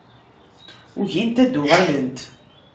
Ugint ad d-uɣalent.